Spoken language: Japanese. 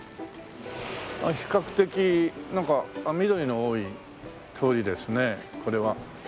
比較的なんか緑の多い通りですねこれは。